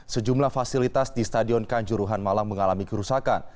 sejumlah fasilitas di stadion kanjuruhan malang mengalami kerusakan